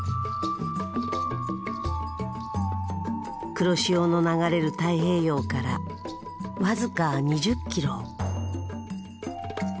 黒潮の流れる太平洋から僅か２０キロ。